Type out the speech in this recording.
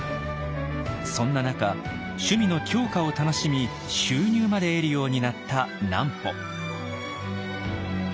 そんな中趣味の狂歌を楽しみ収入まで得るようになった南畝。